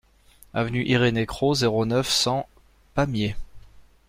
Avenue Irénée Cros, zéro neuf, cent Pamiers